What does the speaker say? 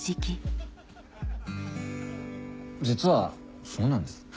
実はそうなんです。